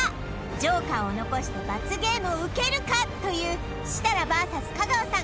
ＪＯＫＥＲを残して罰ゲームを受けるかという設楽ＶＳ香川さん